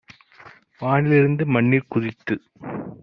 வானி லிருந்து மண்ணிற் குதித்துத்